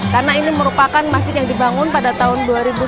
karena ini merupakan masjid yang dibangun pada tahun dua ribu satu